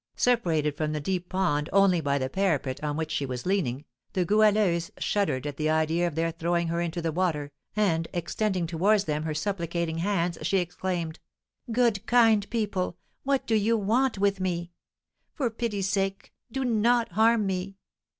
Separated from the deep pond only by the parapet on which she was leaning, the Goualeuse shuddered at the idea of their throwing her into the water; and, extending towards them her supplicating hands, she exclaimed: "Good, kind people! what do you want with me? For pity's sake do not harm me!"